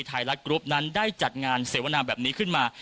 ไทยรัฐกรุ๊ปนั้นได้จัดงานเสวนาแบบนี้ขึ้นมา